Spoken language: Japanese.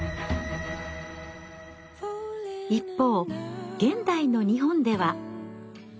一方現代の日本では。